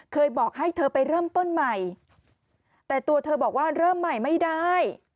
บอกให้เธอไปเริ่มต้นใหม่แต่ตัวเธอบอกว่าเริ่มใหม่ไม่ได้